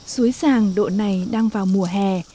suối giang độ này đang vào mùa hè